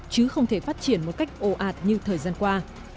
chứ không thể phát triển một cách ồ ạt như thời gian qua